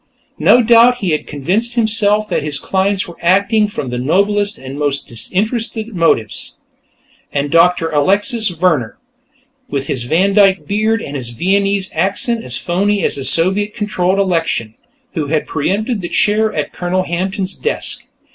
No doubt he had convinced himself that his clients were acting from the noblest and most disinterested motives. And Doctor Alexis Vehrner, with his Vandyke beard and his Viennese accent as phony as a Soviet controlled election, who had preempted the chair at Colonel Hampton's desk.